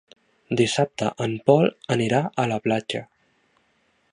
Dissabte en Pol anirà a la platja.